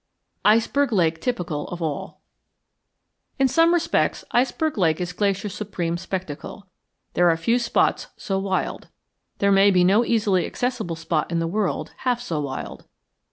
ICEBERG LAKE TYPICAL OF ALL In some respects Iceberg Lake is Glacier's supreme spectacle. There are few spots so wild. There may be no easily accessible spot in the world half so wild.